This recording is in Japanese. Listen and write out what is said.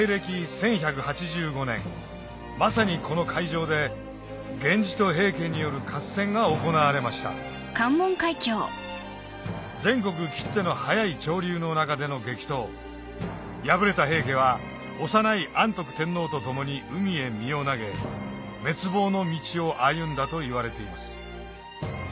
１１８５年まさにこの海上で源氏と平家による合戦が行われました全国きっての速い潮流の中での激闘敗れた平家は幼い安徳天皇と共に海へ身を投げ滅亡の道を歩んだといわれています